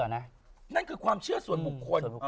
นั่นคือความเชื่อส่วนบุคคล